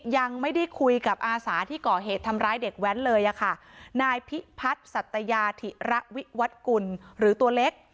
ยังไม่ได้คุยกับอาสาที่ก่อเหตุทำร้ายเด็กแว้นเลยอะค่ะนายพิพัฒน์สัตยาธิระวิวัตกุลหรือตัวเล็ก